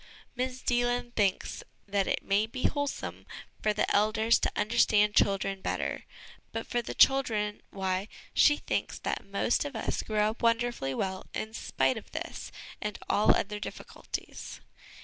Miss Deland thinks that it may be wholesome for the elders to understand children better, but for the children, why, she thinks that most of us grow up wonderfully well in spite of this and all other difficulties.